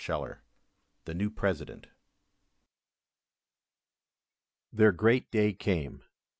CHAPTER V THE NEW PRESIDENT Their great day came.